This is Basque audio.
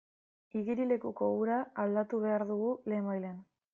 Igerilekuko ura aldatu behar dugu lehenbailehen.